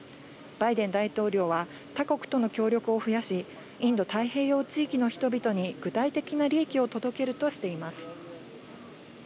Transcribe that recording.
バイデン大統領は、他国との協力を増やし、インド太平洋地域の人々に具体的な利益を届けるとしています。